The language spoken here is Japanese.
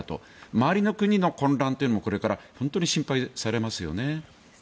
周りの国の混乱というのもこれから心配されますね。